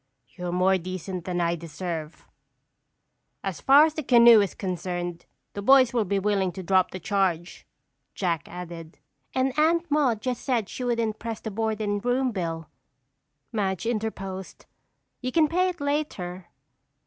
"You're more decent than I deserve." "As far as the canoe is concerned, the boys will be willing to drop the charge," Jack added. "And Aunt Madge just said she wouldn't press the board and room bill," Madge interposed. "You can pay it later."